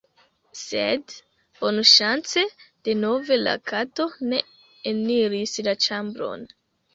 Sed, bonŝance denove la kato ne eniris la ĉambron.